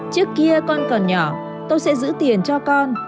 trước kia con còn nhỏ tôi sẽ giữ tiền cho con